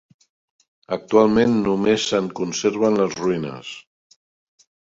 Actualment només se'n conserven les ruïnes.